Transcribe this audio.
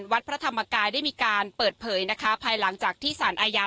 วัดพระธรรมกายได้มีการเปิดเผยนะคะภายหลังจากที่สารอาญา